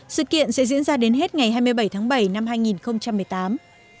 sự kiện sẽ diễn ra đến hết ngày hai mươi bảy tháng bảy năm hai nghìn một mươi tám